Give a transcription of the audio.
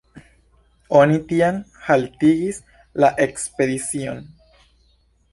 Oni tiam haltigis la ekspedicion.